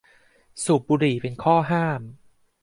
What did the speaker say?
สุบบุหรี่เป็นข้อห้าม